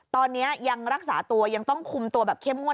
ตอนนี้ยังรักษาตัวยังต้องคุมตัวแบบเข้มงวด